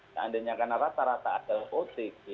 keandainya karena rata rata ada otg